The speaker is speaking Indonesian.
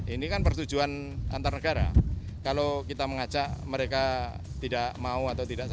ini kan persetujuan antar negara kalau kita mengajak mereka tidak mau atau tidak